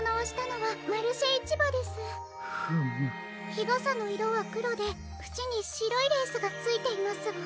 日がさのいろはくろでふちにしろいレースがついていますわ。